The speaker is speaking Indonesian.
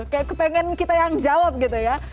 kayak kepengen kita yang jawab gitu ya